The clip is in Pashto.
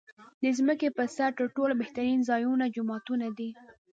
د ځمکې پر سر تر ټولو بهترین ځایونه جوماتونه دی .